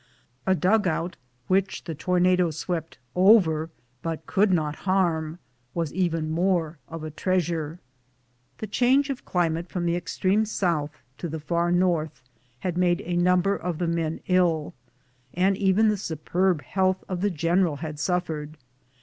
A dug out, which the tornado swept over, but could not harm, was even more of a treasure. The change of climate from the extreme south to the far north had made a number A BLIZZARD. lU of the men ill, and even the superb health of the gen eral had suffered.